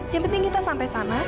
yang penting kita sampai sana